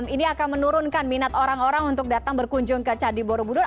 ini akan menurunkan minat orang orang untuk datang berkunjung ke candi borobudur